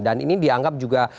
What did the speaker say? dan ini dianggap juga